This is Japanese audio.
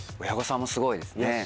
親御さんもすごいですね。